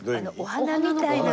お花みたいな。